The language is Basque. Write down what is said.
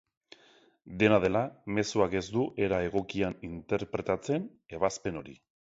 Dena dela, mezuak ez du era egokian interpretatzen ebazpen hori.